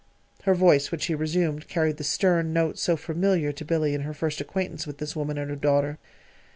Her voice, when she resumed, carried the stern note so familiar to Billy in her first acquaintance with this woman and her daughter.